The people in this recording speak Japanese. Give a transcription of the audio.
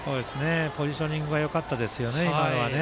ポジショニングがよかったですよね、今のは。